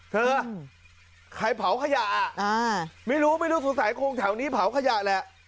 ใครเผาขยะไม่รู้ไม่รู้สงสัยคงแถวนี้เผาขยะแหละ